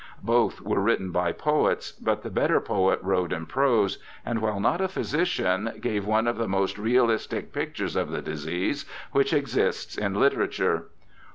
Both were written by poets, but the better poet wrote in prose, and, while not a physician, gave one of the most realistic pictures of the disease which exists in literature.